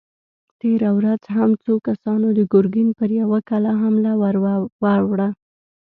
تېره ورځ هم څو کسانو د ګرګين پر يوه کلا حمله ور وړه!